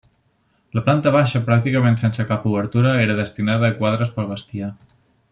La planta baixa, pràcticament sense cap obertura, era destinada a quadres pel bestiar.